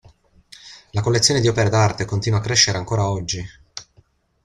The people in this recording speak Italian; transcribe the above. La collezione di opere d'arte continua a crescere ancora oggi.